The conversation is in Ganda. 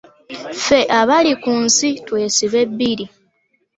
Ffe abali ku nsi twesibe bbiri.